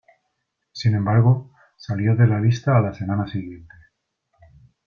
Sin embargo, salió de la lista a la semana siguiente.